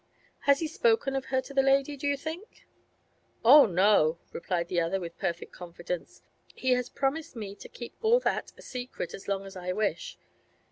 'Has he spoken of her to the lady, do you think?' 'Oh no!' replied the other, with perfect confidence. 'He has promised me to keep all that a secret as long as I wish.